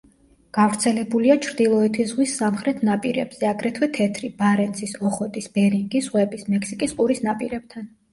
გავრცელებულია ჩრდილოეთის ზღვის სამხრეთ ნაპირებზე, აგრეთვე თეთრი, ბარენცის, ოხოტის, ბერინგის ზღვების, მექსიკის ყურის ნაპირებთან.